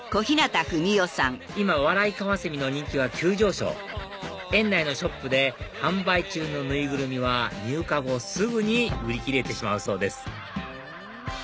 今ワライカワセミの人気は急上昇園内のショップで販売中の縫いぐるみは入荷後すぐに売り切れてしまうそうです